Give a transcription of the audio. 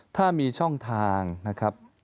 ถ้ามีช่องทางนะครับ